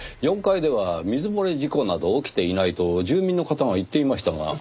４階では水漏れ事故など起きていないと住民の方が言っていましたが。